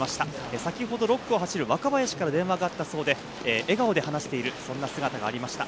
先ほど６区を走る若林から電話があったそうで、笑顔で話している、そんな姿がありました。